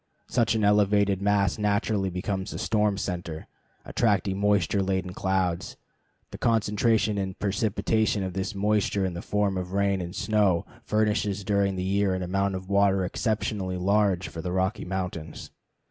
Such an elevated mass naturally becomes a storm center, attracting moisture laden clouds. The concentration and precipitation of this moisture in the form of rain and snow furnishes during the year an amount of water exceptionally large for the Rocky Mountains.